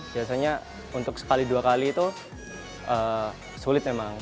biasanya untuk sekali dua kali itu sulit memang